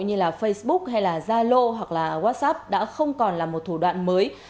như facebook zalo hoặc whatsapp đã không còn là một thủ đoạn mới